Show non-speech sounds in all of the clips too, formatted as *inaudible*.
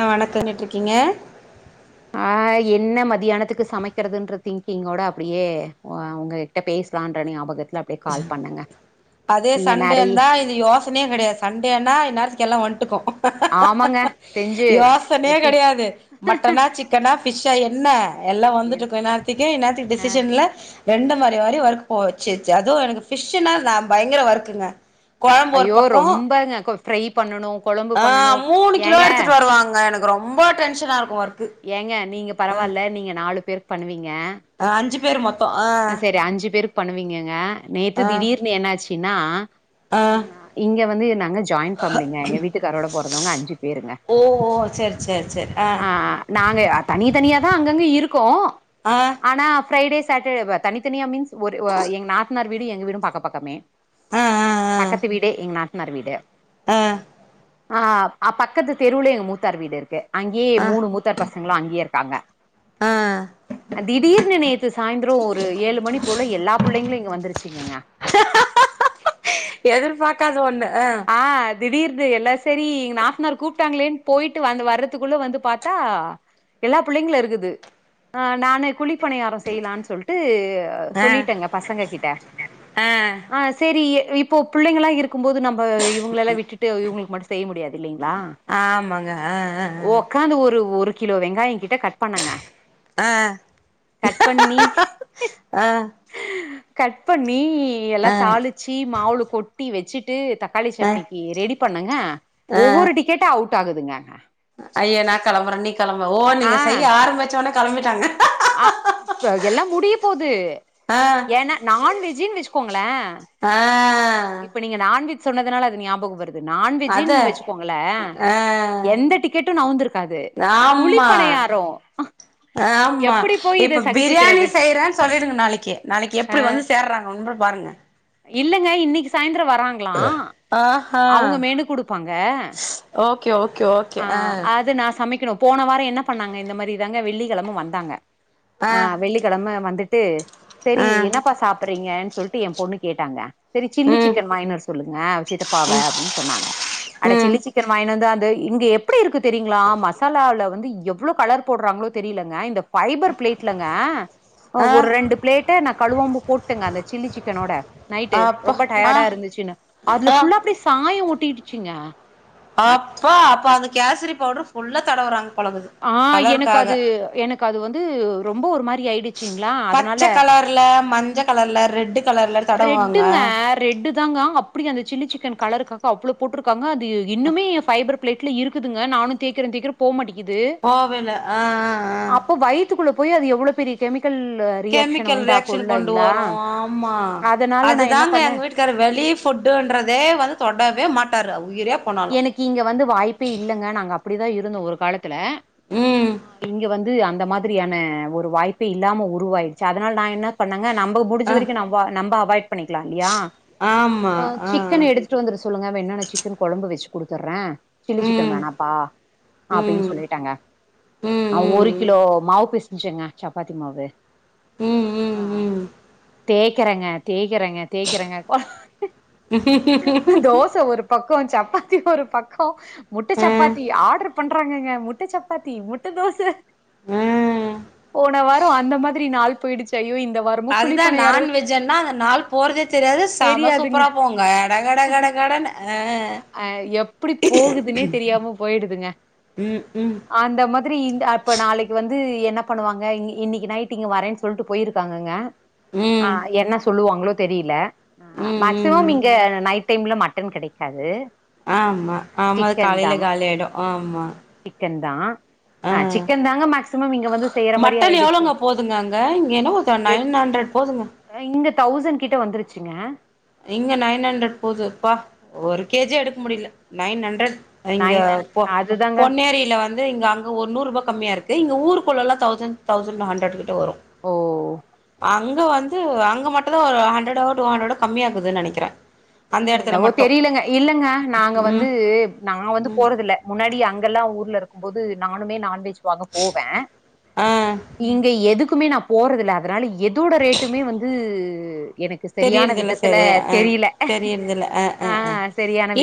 ஆ வணக்கம் எப்டி இருக்கீங்க ஆ என்ன மதியானத்துக்கு சமைக்கிறதுன்ற திங்கிங்கோட அப்படியே அ உங்க ட்டோ பேசலான்ற ஞாபகத் அதே சண்டே நெறைய இருந்தா இது யோச னையே கெடையாது இன்னேர்த்துக்கு எல்லாமே வன்ட்டுக்கு ஆமாங்க செஞ்சு யோசனயே டிப் கெடையாது மட்டனா சிக் சிக்கனா பிஷ்ஷா என்ன எல்லா வந்துட்ருக்கு இந்நேரத்துக்கே இந்நேரதுக்கு ஆ டிசிஷன்ல ரெண்டு மணி வர ஒர்க போக வச்சுச்சு அதுவு எனக்கு பிஷ்னா நா பயங்கர ஒர்க்குங்க கொழம்பு ஒரு பக்கம் பாருங்க கொஞ்சோ ப்ரை பண்ணணு கொழம்பு ஆ பண்ணணு மூணு கிலோ ஏங்க எடுத்துட்டு வருவாங்க எனக்கு ரொம்ப டென்ஷனாருக்கு ஒர்க்கு ஏங்க நீங்க ஆ பரவால்ல நீங்க நாலு பேரு பண்ணுவீங்க ஆ அஞ்சு பேர் மொத்தோ ஆ அ செரி அஞ்சு பேருக்கு பண்ணுவீங்கங்க நேத்து ஆ திடீர்னு என்னாச்சின்னா ஆ இங்க வந்து நாங்க ஜாய்ன் ஃபேமிலிங்க எங்க வீட்டுக்காரோட பொறந்தவங்க அஞ்சு பேருங்க ஓ சேர் சேர் சேர் அ ஆ நாங்க தனி தனியாதா அங்கங்க இருக்கோ ஆ ஆனா ஃப்ரைடே சாட்டர்டே வ தனித்தனியா மீன்ஸ் ஒரு எங் நாத்தனார் வீடும் எங்க வீடும் பக்க பக்கமே ஆ ஆ பக்கத்து வீடு எங்க நாத்னார் வீடு ஆ ஆ பக்கத்து தெருவுல எங்க மூத்தார் வீடு இருக்கு அங்கேயே ஆ மூணு மூத்தார் பச சங்களா அங்கயே‌ இருக்காங்க ஆ திடீர்னு நேத்து சாய்ந்ரோ ஒரு ஏழு மணி போல எல்லா புள்ளைங்களு இங்க வந்துருச்சுங்கங்க எதிர்பாக்காத ஒண்ணு ஆ அத் திடீர்னு எல்லா செரி எங்க நாத்தனார் கூப்பிட்டாங்களேன்னு போயிட்டு வந்து வர்றதுக்குள்ள வந்து பாத்தா எல்லா புள்ளைங்களு இருக்குது ஆ நானு குழிப்பணியாரம் செய்யலான்னு சொல்லிட்டு ஆ சொல்லிட்டேங்க பசங்க கிட்ட ஆ செரி இப்போ புள்ளைங்களா இருக்கு போது நம் ப இவங்களெல்லா விட்டுட்டு இவ்ங்களுக்கு மட்டு செய்ய முடியாது இல்லைங்களா ஆமாங்க ஆ ஓக் ஒக்காந்து ஒரு ஒரு கிலோ வெங்காயம் கிட்ட கட் பண்ணேங்க ஆ ஆ கட் பண்ணி ஆ கட் பண்ணி எல்லா ஆ தாளிச்சி மாவுளல கொட்டி வச்சிட்டு தக் தக்காளி ஆ சட்னிக்கு ரெடி பண்ணேங்க ஒவ்வொரு டிக்கெட்டா அவுட் ஆகுதுங்க அய்ய நா களம்பறே நீ கிளம்பு ஓ ஆ நீங்க செய்ய ஆரம்பிச்சோனே கிளம்பிட்டாங்க ஆ தோ எல்லா முடிய போது ஆ ஏன்னா நான்வெஜ்ஜுனு வச்சுக்கோங்களே ஆ இப்ப நீங்க நான்வெஜ் சொன்னதுனால அது ஞாபகம் வருது அது நான்வெஜ்ஜுன்னு வச்சுக்கோங்களே ஆ எந்த டிக்கெட்டு நவுந்திருக்காது குழிழப்பணையாரோ ஆம்மா இப்ப பிரியாணி சகிச்சுக்கிறது செய்றே சொல்லிடுங்க நாளக்கி நாளக்கி அ எப்டி வந்து சேர்றாங்க வந்து பாருங்க இல்லங்க இன்னக்கி சாய்ந்ரோ வராங் க்கலா அவ்ங்க ஆஹா மெனு குடுப்பாங்க ஓகே ஓகே ஓகே ஆ அது நா சமக்கெணு போன வாரோ என்ன பண்ணாங்க இந்த மாதிரிதாங்க வெள்ளிக்கெழம வந்தாங்க ஆ வெள்ளி கிழம வந்துட்டு சரி ஆ என்னப்பா சாப்றீங்கன்னு சொல்லிட்டு ஏ பொண்ணு கேட்டாங்க செரி சில்லி ம் சிக்கன் வாங்கிணு வர சொல்லுங்க சித்தபாவ அப்டின்னு சொன்னாங்க அட ம் சில்லி சிக்கன் வாங்கிணு வந்து அத இங்க எப்டி இருக்கு தெரியுங்களா மசாலாலேருந்து எவ்ளோ கலர் போடுறாங்களோ தெரியலங்க இந்த ஃபைபர் பிளேட்லங்க ஆ ஒரு ரெண்டு பிளேட்ட நா கழுவாம போட்டேங்க அந்த சில்லி சிக்கனோட நைட்டு அப்பா ரொம்ப ஆ டயர்டா இருந்துச்சுன்னு அதுல ஆ ஃபுல்லா அப்டியே சாய ஓட்டிடுச்சுங்க அப்போ அப்ப அந்த கேசரி பவுடர் ஃபுல்லா தடவுறாங்க போலக்குது ஆ எனக்கு கலருக்காக அது எனக்கு அது வந்து ரொம்ப ஒரு மாரி ஆயிடுச்சிங்களா அதனால ல மஞ்ச கலர்ல ரெட்டு கலர்ல தடவுவாங்க ரெட்டுங்க ரெட்டு தாங்க அப்டி அந்த சில்லி சிக்கன் கலருக்காக அவ்ளோ போட்டிருக்காங்க அது இன்னுமே ஃபைபர் பிளேட்ல இருக்குதுங்க நானு தேக்றே தேக்றே போ மாட்டிக்குது போவேல ஆ ஆ ஆ அப்ப வயித் த்துக்குள்ள போய் அது எவ்ளோ பெரிய கெமிக்கல் ரியாக்க்ஷன கெமிக்கல் உண்டாக்கு ரியாக்ஷன் கொண்டு இல்லங்ளா வரு அதனால நா என்ன பண்ண க்காரு வெளி ஃபுட்டுன்றதே வந்து தொடவே மாட்டாரு உயிரே போனாலு எனக்கு இங்க வந்து வாய்ப்பே இல்லங்க நாங்க அப்படிதா இருந்தோ ஒரு காலத்துல ம் இங்க வந்து அது அந்த மாதிரியான ஒரு வாய்ப்பே இல்லாம உருவாயிடுச்சு அதனால நா என்ன பண்ணங்க நம்ம புடிஞ்ச ஆ வரைக்கு நம்ம வ நம்ப அவாய்ட் பண்ணிக்கலா இல்லயா ஆமா ஆ ஆ சிக்கன் எடுத்து வந்துற்ற சொல்லுங்க வேண்ணா நா சிக்கன் கொழம்பு வெச்சு குடுத்துதற்றே சில்லி ம் சிக்கன் வேணாப்பா ம் அப்டின்னு ம் சொல்லிட்டேங்க ஒரு ம் கிலோ மாவு பெசன்ஜங்க சப்பாத்தி மாவு ம் ஆ ம் ம் தேக்கிறங்க தேக்கிறங்க தேக்கிறங்க தோச ஒரு பக்கோ சப்பாத்தி ஒரு பக்கோ முட்ட அ சப்பாத்தி ஆட்ர் பண்றாங்கங்க முட்ட சப்பாத்தி முட்ட தோச ம் போன போன வாரோ அந்த மாரி நாள் போயிடுச்சி ஐய்யோ இந்த வாரோ அதுதா நான்வெஜ்ஜன்னா அந்த நாள் போறதே தெரியாது செம தெரியாதுங்க சூப்பரா போவுங்க கட கட கட கடன்னு ஆ ஆ எப்பிடி போகுதுன்னே தெரியாம போயிடுதுங்க ம் ம் அந்த மாதிரி இந்த அப்ப நாளைக்கு வந்து என்ன பண்ணுவாங்க இன்னி இன்னிக்கி நைட் இங்க வரேன்னு சொல்ட்டு போயிருக்காங்கங்க ஆ ம் என்ன சொல்லுவாங்களோ தெரில ம் ம் மேக்சிமம் ம் இங்க நைட் டைம்ல மட்டன் கெடைக்காது ஆமா ஆமா அது சிக்கன் தா காலையில காலி ஆயிடு ஆமா சிக்கன் தா ஆ சிக்கன் தாங்க மேக்சிமம் இங்க வந்து செய்யற மாரி மட்டன் ஆயிடுச்சு எவ்ளோங்க போதுங்க அங்க இங்க என்னவோ நைன் ஹண்ட்ரட் போதுங்க இங்க தௌசண் கிட்ட வந்துருச்சுங்க இங்க நைன் ஹண்ட்ரட் போது ப்பா ஒரு கே ஜே எடுக்க முடில நைன் ஹண்ட்ரட் இங்க நைன் ஹண் போ அதுதாங்க பொன்னேரியில வந்து இங்க அங் ஒரு நூற்ரூபா கம்மியா இருக்கு இங்க ஊருக்குள்ளல்லா தௌசன்ட் தௌசண்ட் ஹண்ட்ரட்கிட்ட வரு ஓ அங்க வந்து அங்க மட்டுதா ஒரு ஹண்ட்ரடோ டூ ஹண்ட்ரடோ கம்மியா இக்குதுனு நெனைக்கிறே அந்த எடத்துல என்னவோ மட்டு தெரிலங்க இல்லங்க நாங்க வந்து ம் நா வந்து போறதில்ல முன்னாடி அங்கெல்லா ஊர்ல இருக்கும் போது நானுமே நான்வெஜ் வாங்க போவ ஆ இங்க எதுக்குமே நா போறதில்ல அதனால எதோட ரேட்டுமே வந்து எனக்கு செரியான தெரியறதில்ல விதத்தில சரி ஆ தெரில *unintelligible* ஆ ஆ ஆ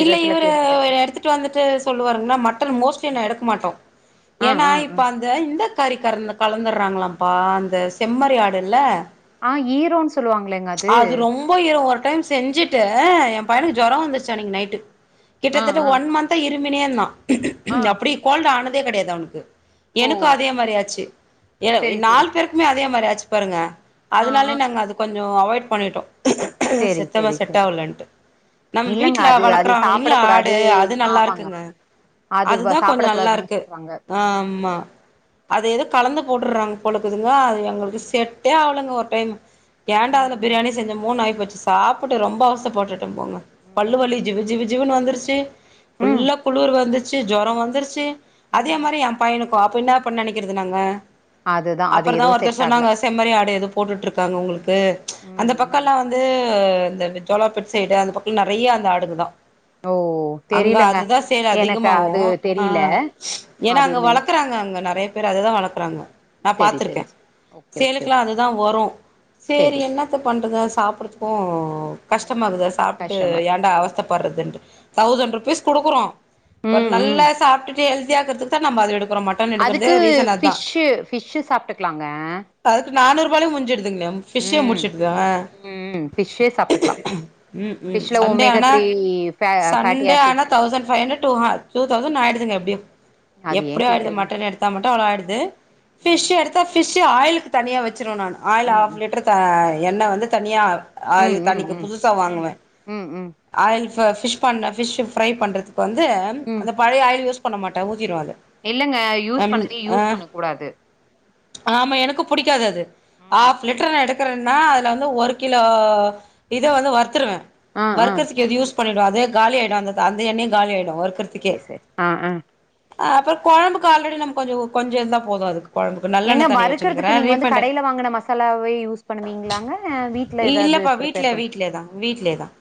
இல்ல இவரு தெரியல எடுத்துட்டு வந்துட்டு சொல்லுவாருங்ளா மட்டன் மோஸ்ட்லி நா எடுக்க மாட்டோ ஆ ஏன்னா ஆ ஆ இப்ப அந்த இந்த காரி கற கலந்துட்றாங்களாப்பா அந்த செம்மரி ஆடுல்ல ஆ ஈரோன்ஸ் சொல்வாங்களேங்க அது ரொம்ப உயரம் ஒரு டைம் செஞ்சுட்டு எய பையனுக்கு ம் ஜொர வந்துட்ச்சு அன்னிக்கு நைட்டு ஆ கிட்டத்தட்ட ஆ ஒன் மந்த்தா இருமினே இருந்தா ஆ அப்டி கோல்ட் ஆனதே கெடையாது அவனுக்கு ஓ எனக்கும் அதே மாறி ஆச்சு ஏ சரி சரி நாலு பேருக்குமே அதே மாறி ஆச்சு பாருங்க ஆ ஆ அதுனாலயே நாங்க அது கொஞ்ச அவாய்ட் பண்ணிட்டோ சரி சுத்தமா சரி செட் சரி ஆகலன்ட்டு நம் இல்லங்க வீட்ல அது அது வளக்கறாங்க இல்லங்களா சாப்டக் ஆடு கூடாது அது நல்லா ஆமாங்க இருக்குங்க அது வ அதுதா கொஞ்சோ நல்லா சாப்டக்கூடாதுன்னு இருக்கு சொல்றாங்க அ ம் ஆமா அது எதோ கலந்து போட்டுறாங்க போலக்குதுங்க அது எங்களுக்கு செட்டே ஆகளுங்க ஒரு டைம் எயண்டாதுல பிரியாணி செஞ்ச மூணு ஆகி போச்சு சாப்ட்டு ரொம்ப அவஸ்த பட்டுட் போங்க பல்லு வலி ஜிவ் ஜிவ் ஜீவுன்னு வந்துருச்சு ஃபுல் ம் லா குளுரு வேற வந்துச்சு ஜொர வந்துருச்சு அதே ம் மாறி எய பையனுக்கும் அப்ப என்னாப்பா நெனைக்கறது நாங்க அதுதா அது அப்பறதா எதுவு ஒருத்தவங்க செட் ஆகல சொன்னாங்க செம்மறி ஆடு எதோ போட்டுட்டு இருக்காங்க உங்களுக்கு அந்த ம் ம் பக்கல்லா வந்து அ அந்தந்த ஜோலார்பேட் சைடு அந்த பக்க எல்லா நெறைய அந்த ஆடுங்கதா ஓ அங்க தெரிலங்க அதுதா சேல் எனக்கு அதிகமாவு அது ஆ தெரில ஏன்னா அது அங்க என்னன் வளக்குறாங்க அங்க நெறய பேர் அதுதா வளக்கறாங்க நா செரி பாத்துருக்க செரி ஓகே ஓகே சேலுக்லா ஓகே அதுதா வரு சேரி செரி செரி என்னத்த பண்றது சாப்ட்றதுக்கும் ம் கஷ்டமாக்குது சாப்ட்டு கஷ்டமா ஏன்டா இருக்கு ம் அவஸ்த தபரதன்ட்டு தௌசண்ட் ருபீஸ் குடுக்கறோ ஒரு ம் ம் நல்லா சாப்ட்டுட்டு ஹெல்தியா இருக்குகறதுக்கு இப்ப நம்ம அத எடுக்குறோ மட் அதுக்கு ஃபிஷ்ஷு ஃபிஷ்ஷு சாப்ட்டுக்கலாங்க அதுக்கு நானூறுபாலயே முஞ்சுடுதுங்களே ஃபிஷ்ஷே ம் முடிச்சுடுதே அ ம் ஃபிஷ்ஷே சாப்ட்டுக்லா ம் ம் சண்டே ஆனா ஃபே ஃபேட்டி சண்டே ஆனா ஆசிட்ஸ் இருக்கு thousand five hundred two two thousand ஆயிடுதுங்க எப்படியு அது ஏ எப்டி ஆயிடுது கேக்குறீங்க மட்டன் எடுத்த மட்டும் அவ்ளோ ஆயிடுது ஃபிஷ் ம் எடு தா ஃபிஷ்சு ஆயிலுக்கு தனியாக வச்சிருவ நானு ஆயில் ம் ஹாஃப் லிட்டர் அ எண்ணெ வந்து தனியா ம் ஆயிலு ம் தனிக்கு ம் புதுசா வாங்குவ ம் ம் ஆயில் ஃபிஷ் பண்ண ஃபிஷ் ஃப்ரை பண்றதுக்கு வந்து ம் அந்த பழைய ஆயில் யூஸ் பண்ண மாட்ட ஊத்திருவ அது இல்லங்க யூஸ் பண்ணத யூஸ் பண்ண கூடாது ஆமா எனக்கு பிடிக்காது அது ம் ஆஃப் லிட்டர் நா எடுக் கருனா அதுல வந்து ஒரு கிலோ இத வந்து வத்துருவ ஆ ஆ வருக்கறதுக்கு எது யூஸ் பண்ணிடுவ அதே காலி ஆயிடு அந்த அந்த எண்ணெயு காலி ஆயிடு ஒர் சரி சர் ஆ ஆ அ அப்ற குழம்புக்கு ஆல்ரெடி நமக்கு கொஞ்சோ கொஞ்சோ இருந்தா போது அதுக்கு கொழம்புக்கு ஏங்க நல்லெண்ண தனியா வச்சுனுக்கிறே வறுக்கறதுக்கு நீங்க வந்து ரீஃபண்டு கடையில வாங்குன மசாலாவே யூஸ் பண்ணுவீங்களாங்க வீட்ல ஏதாவது இல்லப்பா வீட்ல ப்ரிப்பர் பண்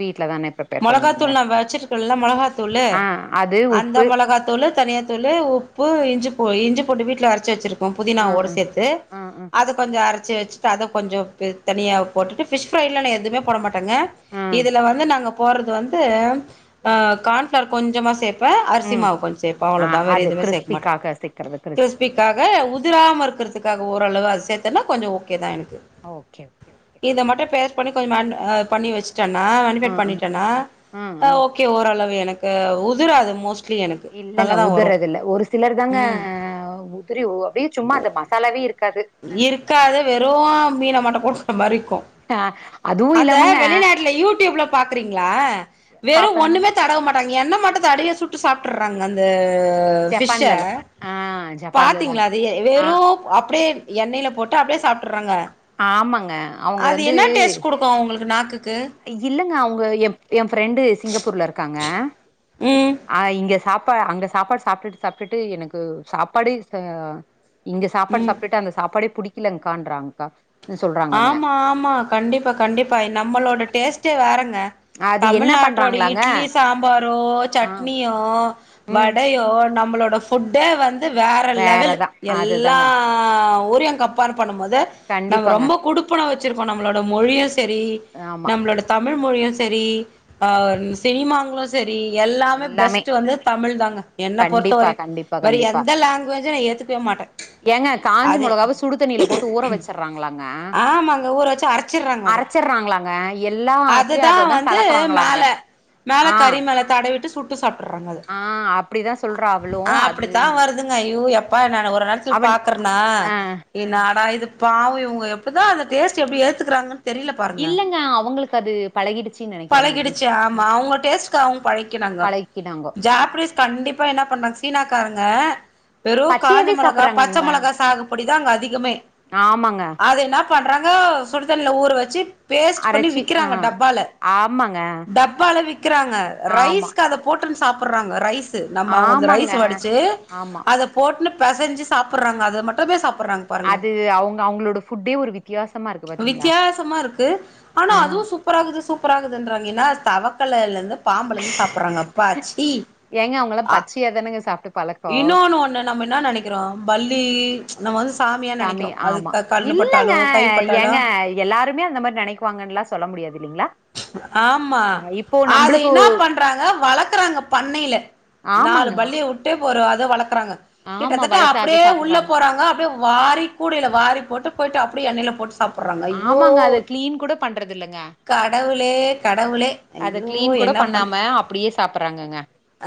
வீட்ல தா ப்ரீப் முளகாத்தூள் நா வச்சிருக்கல்ல முளகாத்தூள் ஆ அது அந்த உப்பு மிளகாத்தூள் தனியா தூள் உப்பு இஞ்சி இஞ்சி பூண்டு வீட்டில்ல அரச்சி வச்சிருக்கோ புதினா ஆ ஓட ஆ சேர்த்து ஆ ஆ அத கொஞ்சோ அரச்சு வச்சுட்டு அத கொஞ்சோ தனியாவ போட்டுட்டு ஃபிஷ் ப்ரைலா எதுமே போட மாட்ட ங்க ஆ இதுல வந்து நாங்க போறது வந்து ஆ ம் கார்ன்ஃபளர் கொஞ்சமா சே அரிசி ம் மாவு கொஞ்ச சேப்ப ஆ அவ்வளவுதா வேற அது எதுவுமே சேர்க்க மாட்ட கிறிஸ்பிக்காக சேக்கறது கிர்ஸ கிறிஸ்பி வர ப்பிக்காக உதிராம இருக்கறதுக்காக ஓரளவு அத சேத்தன்னா கொஞ்ச ஓகே தா எனக்கு ஆ ஓகே ஓகே இத மட்டு பேஸ்ட் பண்ணி கொஞ்ச மனி பண்ணி வச்சுட்டன்னா ஆ மனிஃமேட் ஆ பண்ணிட்டன்னா ஆ ஓக் கே ஓரளவு எனக்கு உதிரது மோஸ்ட் இல்லங்க உதற்றது இல்ல ஒரு சிலர் தாங்க ம் அ உதிரி ஓ அப்டியே சும்மா அந்த மசாலாவே இருக்காது இருக்காது வெறு மீனை மட்டு குடுக்கற மாறி க்கு ஆ அதுவு அந்த இல்லாமங்க வெளிநாட்டுல யூ டியூப்ல பாக்குறீங்களா வெறு பாப்பாங்க ஒண்ணுமே தடவ மாட்டாங்க எண்ணெ மட்டு தடியா சுட்டு சாப் ட்றாங்க அந்த ஃபிஷ்ஷ ஜப்பான்லலா ஆ பாத்தீங்களா ஜப்பான்லலாங்க அதயே ஆ வெறு அப்டியே எண்ணெயில போட்டு அப்டியே சாப்டுற்றாங்க ஆமாங்க அவுங்க வந்து த்தோ அவுங்களுக்கு நாக்குக்கு இல்லங்க அவுங்க என் என் ஃப்ரெண்டு சிங்கப்பூர்ல இருக்காங்க ம் அ இங்க சாப்பா அங்க சாப்பாடு சாப்ட்டுட்டு சாப்ட்டுட்டு எனக்கு சாப்பாடே சா இங்க சாப்பாடு ம் சாப்ட்டுட்டு அந்த சாப்பாடே புடிக்கலங்க்கான்றாங்க்கா ஆமா ஆமா கண்டிப்பா கண்டிப்பா நம்மளோட டேஸ்ட்டே வேறங்க அது என்ன தமிழ்நாட்டோட பண்றாங்களாங்க இட்லி சாம்பாரோ ஆ சட்னியோ ம் வடையோ நம்மளோட ஃபுட்டே வந்து வேற லெவலு வேறதா எல்லா அதுதாங்க ஆ ஊரிய கப்பேர் பண்ணுபோது கண்டிப்பாங்க குடுப்பன வச்சிருக்கோ நம்மளோட மொழியு செரி நம் ஆமா நம்மளோட தமிழ் மொழியு செரி ஹ சினிமாங்களு செரி எல்லாமே பெஸ்ட் வந்து தமிழ் தாங்க என்ன பொறுத்த கண்டிப்பா வரை கண்டிப்பா வேற கண்டிப்பா எந்த லாங்குவேஜை நா ஏத்துக்கவே மாட்டே ஏங்க காஞ்ச மொளகாவாக சுடுதண்ணில போட்டு ஊற வச்சு ட்றாங்களாங்க ஆமாங்க ஊற வச்சு அரைச்சிடுறாங்க அத அரச்சிடறாங்களாங்க எல்லா துலயே அதுதா அததா வந்து கலக்குறாங்களாங்க மேல மேல ஆ கறி மேல தடவிட்டு சுட்டு சாப்ட்டுற்றாங்க அத ஆ அப்டிதா சொல்றா அவளு அ அது அப்டித்தா வருது அதுங்க ஐயோ எப்பா நானு ஒரு நேரோ செரி அவன் பாக்குறேனா ஆ இன்னாடா இது பாவ இவுங்க எப் க்குதா அந்த டேஸ்ட்டு எப்டி ஏத்துக்கிறாங்கன் இல்லங்க அவுங்களுக்கு அது பழகிடுச்சின் நென பழகிடுச்சு ஆமா அவுங்க டேஸ்ட் அவுங்க பழக்கினாங்க பழக்கினாங்கோ ஜாப்னீஸ் கண்டிப் பா என்ன பண்றாங்க சீனாக்காரங்க வெரு காஞ்ச பச்சையாவே மொளகா பச்ச சாப்பறாங்கங்க மொளகா சாகுபடி தா அங்க அதிகமே ஆமாங்க அதேனா பண்றாங்க சுடு தண்ணில ஊறு வச்சு பேஸ்ட் பண்ணி அரச்சி அ விக்கிறாங்க டப்பால ஆமாங்க டப்பால விக்கிறாங்க ஆமா ரைஸ்க்கு அத போட்டுனு சாப்புட்றாங்க ரைஸ் து நம்ம அவுங்க ஆமாங்க ரைஸ் வடிச்சு ஆமா அத போட்டுனு பெசைஞ்சு சாப்பிடுறாங்க அத மட்டுமே சாப்பிடுறாங்க பாருங்க அது அவங்க அவங்களோட ஃபுட்டே ஒரு வித்தியாசமா இருக்கு பாத்தீங்களா வித்தியாசமா இருக்கு ஆனா ம் அதுவு சூப் சூப்பராக்குது சூப்பராக்குதுன்றாங்க என்னா தவக்கலலருந்து பாம்புல இருந்து சாப்ட்றாங்க அப்பா ச்சி ஏங்க அவுங்கல்லாம பச்சையா தானுங்க சாப்ட்டு பழக்கோ இன்னொன்னு ஒன்னு நம்ம இன்னா நெனைக் கிறோ பல்லி நம்ம வந்து சாமியா சாமி நெனைக்கறோ அது ஆமா க கண்ணு இல்லங்க பட்டாலோ கை பட்டாலோ ஏங்க எல்லாருமே அந்த மாரி நெனைக்குவாங்கன்லா சொல்ல முடியாது இல்லைங்களா ஆமா அ இப்போ அத நம்பளுக்கு என்ன பண்றாங்க வளக்குறாங்க பண்ணைல நாலு ஆமாங்க பல்லிய வுட்டு ஒரு அது வளக்குறாங்க ஆமா கிட்டத்தட்ட வளத்து அது அப்டியே உள்ள சாப்புட்றாங்க போறாங்க அப்டியே வாரி கூடைல வாரி போட்டு போயிட்டு அப்டியே எண்ணெல போட்டு சாப்புட்றாங்க ஐய்யோ பண்றதில்லங்க கடவுளே கடவுளே அத ஐயோ க்ளீன் கூட என்ன பண் பண்ணாம அப்டியே சாப்டறாங்கங்க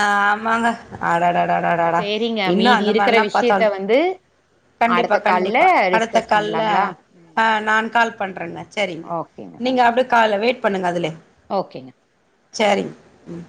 ஆமாங்க அட ட ட ட ட ட டா சேரிங்க இன்னு மீதி அந்த இருக்கிற மாறில்லா பாத்தா விஷயத்த வந்து கண்டிப்பா அடுத்த கால்ல கண்டிப்பா அடுத்த டிஸ்கஸ் கால்ல பண்லாங்களா ம் ஆ நான் கால் டிஸ்கஸ் பண் பண்றேங்க சேரிங்க ஓகேங்க நீங்க அப்டிய கால்ல வெயிட் பண்ணுங்க அதுலய ஓகே சேரிங் ம்